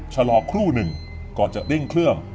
ชะลอครู่หนึ่งก่อนจะเร่งเครื่อง